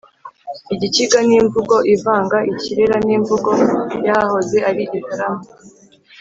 igikiga: ni imvugo ivanga ikirera n’imvugo y’ahahoze ari gitarama